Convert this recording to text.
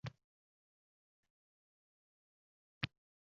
Deydi sog‘inch to‘la ko‘zlarini undan olmay onasi